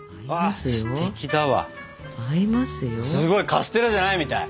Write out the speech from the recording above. すごいカステラじゃないみたい。